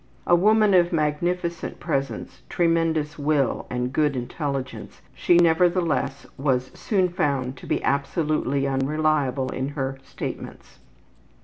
A woman of magnificent presence, tremendous will, and good intelligence, she nevertheless was soon found to be absolutely unreliable in her statements.